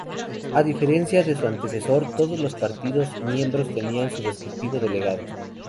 A diferencia de su antecesor todos los partidos miembros tenían su respectivo delegado.